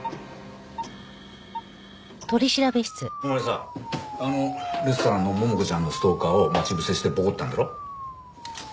お前さあのレストランの桃子ちゃんのストーカーを待ち伏せしてボコったんだろ？